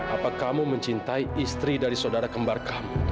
apakah kamu mencintai istri dari sodara kembar kamu taufan